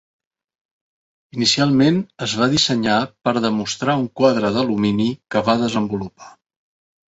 Inicialment es va di senyar per demostrar un quadre d'alumini que va desenvolupar.